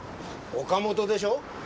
岡本でしょ？